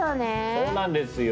そうなんですよ。